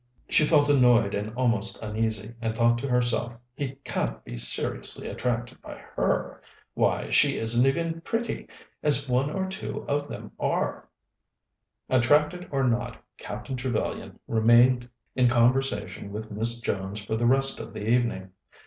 She felt annoyed and almost uneasy, and thought to herself: "He can't be seriously attracted by her. Why, she isn't even pretty, as one or two of them are." Attracted or not, Captain Trevellyan remained in conversation with Miss Jones for the rest of the evening.